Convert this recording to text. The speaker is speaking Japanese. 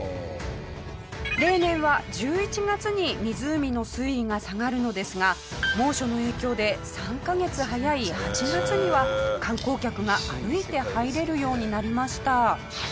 例年は１１月に湖の水位が下がるのですが猛暑の影響で３カ月早い８月には観光客が歩いて入れるようになりました。